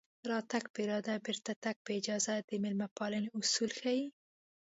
راتګ په اراده بېرته تګ په اجازه د مېلمه پالنې اصول ښيي